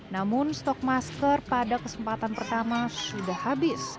namun stok masker pada kesempatan pertama sudah habis